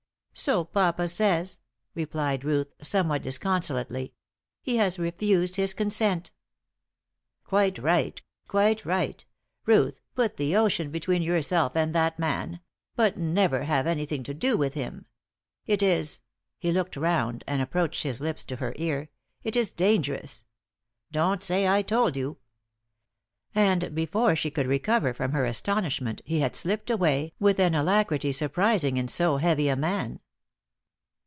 "So papa says," replied Ruth, somewhat disconsolately. "He has refused his consent." "Quite right quite right. Ruth, put the ocean between yourself and that man; but never have anything to do with him. It is" he looked round and approached his lips to her ear "it is dangerous. Don't say I told you!" And before she could recover from her astonishment he had slipped away with an alacrity surprising in so heavy a man.